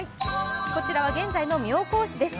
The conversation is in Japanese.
こちらは現在の妙高市です。